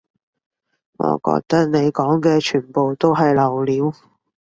我覺得你講嘅全部都係流料